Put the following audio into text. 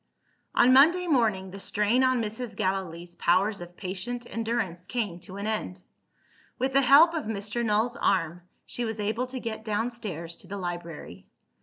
On Monday morning, the strain on Mrs. Gallilee's powers of patient endurance came to an end. With the help of Mr. Null's arm, she was able to get downstairs to the library.